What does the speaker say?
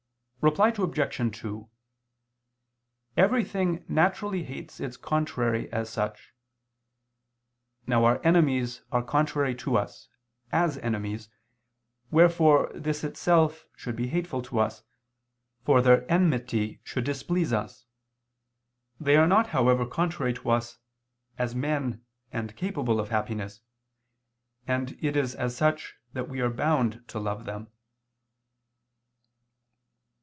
Reply Obj. 2: Everything naturally hates its contrary as such. Now our enemies are contrary to us, as enemies, wherefore this itself should be hateful to us, for their enmity should displease us. They are not, however, contrary to us, as men and capable of happiness: and it is as such that we are bound to love them.